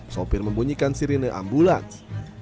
sopir membunyikan sirine ambulans